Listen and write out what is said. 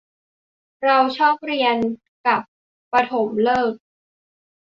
เราชอบเรียนกับปฐมฤกษ์